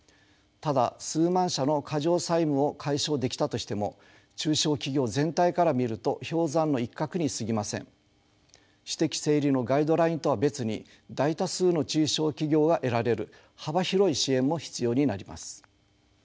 ただ数万社の過剰債務を解消できたとしても中小企業全体から見ると氷山の一角にすぎません。私的整理のガイドラインとは別に大多数の中小企業が得られる幅広い支援も必要になります。